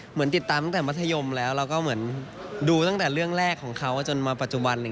เหมือนติดตามตั้งแต่มัธยมแล้วแล้วก็เหมือนดูตั้งแต่เรื่องแรกของเขาจนมาปัจจุบัน